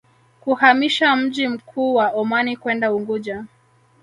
Kuhamisha mji mkuu wa Omani kwenda Unguja